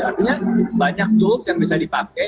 artinya banyak tools yang bisa dipakai